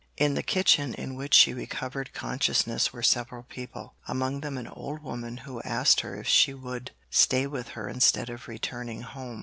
In the kitchen in which she recovered consciousness were several people, among them an old woman who asked her if she would stay with her instead of returning home.